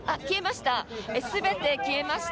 消えました。